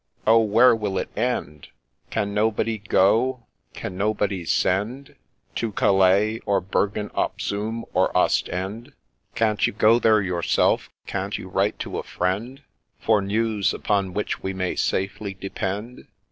— Oh ! where will it end ?— Can nobody go ?— Can nobody send To Calais — or Bergen op zoom — or Ostend ? Can't you go there yourself ?— Can't you write to a friend, For news upon which we may safely depend